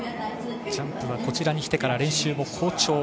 ジャンプはこちらに来てから好調。